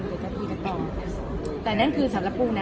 เดี๋ยวก็คุยกันต่อแต่นั่นคือสำหรับปูนะ